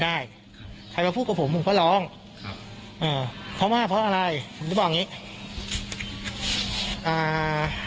ได้เราพูดกับผมมาร้องเพราะว่าเพราะอะไรบอกนี้คือ